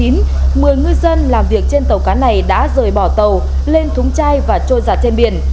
một mươi ngư dân làm việc trên tàu cá này đã rời bỏ tàu lên thúng chai và trôi giặt trên biển